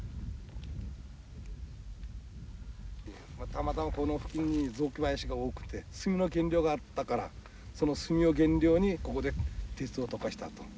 たまたまこの付近に雑木林が多くて炭の原料があったからその炭を原料にここで鉄を溶かしたと。